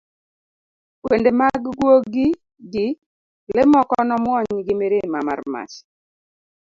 wende mag gwogi gi le moko nomwony gi mirima mar mach